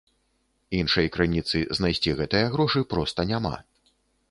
Іншай крыніцы знайсці гэтыя грошы проста няма.